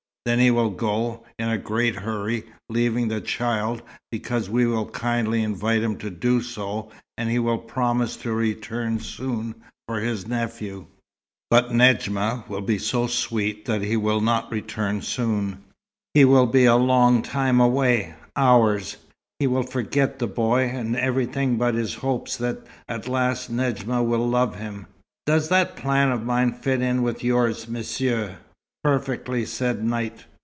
Then he will go, in a great hurry, leaving the child, because we will kindly invite him to do so; and he will promise to return soon for his nephew. But Nedjma will be so sweet that he will not return soon. He will be a long time away hours. He will forget the boy, and everything but his hope that at last Nedjma will love him. Does that plan of mine fit in with yours, Monsieur?" "Perfectly," said Knight.